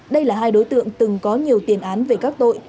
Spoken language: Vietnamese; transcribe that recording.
đây là hai đối tượng từng có nhiều tiền án về các tội